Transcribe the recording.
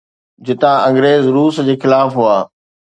جتان انگريز روس جي خلاف هئا.